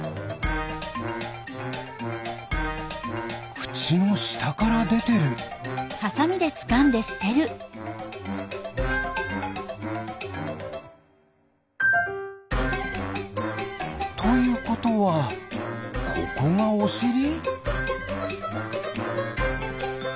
くちのしたからでてる。ということはここがおしり？